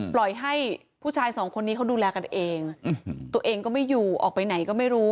ปล่อยให้ผู้ชายสองคนนี้เขาดูแลกันเองตัวเองก็ไม่อยู่ออกไปไหนก็ไม่รู้